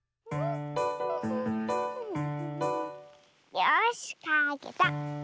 よしかけた！